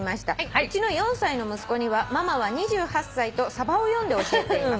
うちの４歳の息子にはママは２８歳とさばを読んで教えています」